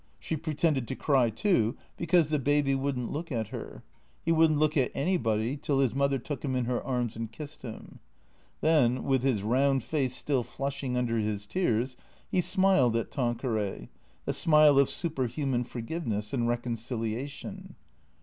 She pretended to cry too, be cause the baby would n't look at her. He would n't look at anybody till his mother took him in her arms and kissed him. Then, with his round face still flushing under his tears, he smiled at Tanqueray, a smile of superhuman forgiveness and reconciliation.